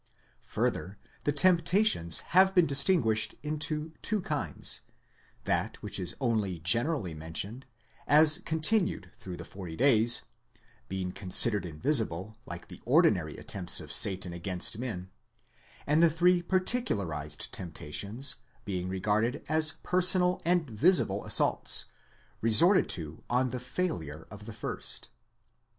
Further, the temptations have been distinguished into two kinds; that which is only generally mentioned, as continued through the forty days, being considered invisible, like the ordinary attempts of Satan against men; and the three particularized temptations being regarded as personal and visible assaults, resorted to on the failure of the first.